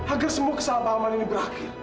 agar semua kesalahpahaman ini berakhir